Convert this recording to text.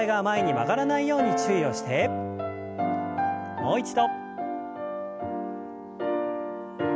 もう一度。